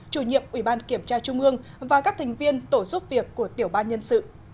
chủ nhiệm ủy ban kiểm tra trung ương và các thành viên tổ giúp việc của tiểu ban nhân sự